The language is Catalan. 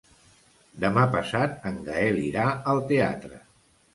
Demà passat en Gaël irà al teatre.